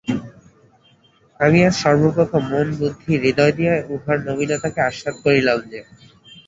আমি আজ সর্বপ্রথম মন, বুদ্ধি, হৃদয় দিয়া উহার নবীনতাকে আস্বাদ করিলাম যে।